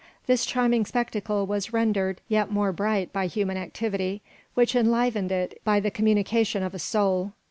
This charming spectacle was rendered yet more bright by human activity, which enlivened it by the communication of a soul.